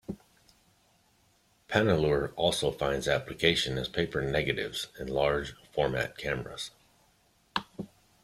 Panalure also finds application as paper negatives in large format cameras.